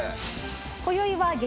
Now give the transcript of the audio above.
今宵は激